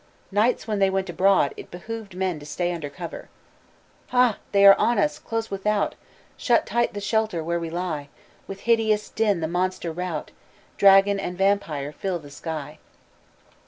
Nights when they were abroad, it behooved men to stay under cover. "Ha! They are on us, close without! Shut tight the shelter where we lie; With hideous din the monster rout, Dragon and vampire, fill the sky."